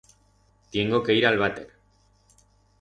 Tiengo que ir a'l váter.